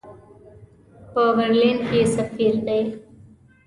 په برلین کې سفیر دی.